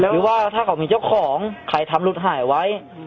หรือว่าถ้าเขามีเจ้าของใครทำรถหายไว้